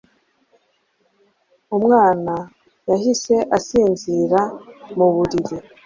Umwana yahise asinzira mu buriri